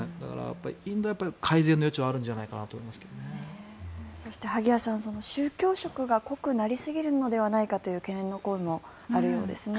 インドは改善の余地はあるんじゃないかなとそして、萩谷さん宗教色が濃くなりすぎるのではないかという懸念の声もあるようですね。